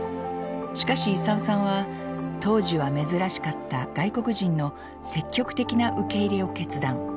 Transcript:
しかし功さんは当時は珍しかった外国人の積極的な受け入れを決断。